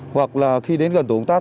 hoặc là khi đến gần tổ công tác